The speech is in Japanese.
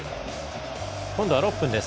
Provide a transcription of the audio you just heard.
今度は６分です。